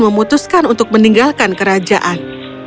memutuskan untuk meninggalkan kerajaan